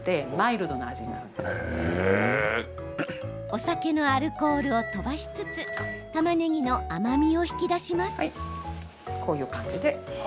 お酒のアルコールを飛ばしつつたまねぎの甘みを引き出します。